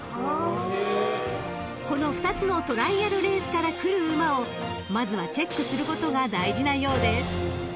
［この２つのトライアルレースから来る馬をまずはチェックすることが大事なようです］